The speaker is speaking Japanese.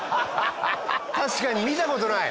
確かに見た事ない。